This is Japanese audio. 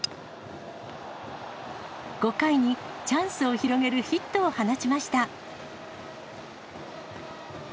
５回にチャンスを広げるヒットを放ちました。